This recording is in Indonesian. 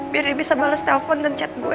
biar bisa bales telpon dan chat gue